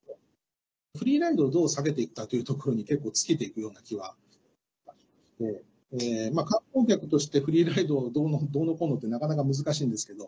フリーライドをどう避けていくかというところに尽きていくような気はして観光客としてフリーライドをどうのこうのってなかなか難しいんですけど。